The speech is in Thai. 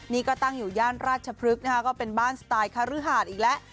นี่ก็ตั้งอยู่ย่านราชพฤกษ์นะคะก็เป็นบ้านสไตล์คารือหาดอีกแล้ว